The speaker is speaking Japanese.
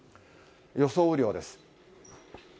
予想雨量です。